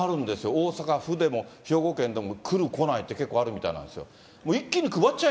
大阪府でも、兵庫県でも来る、来ないって結構あるみたいなんですよ。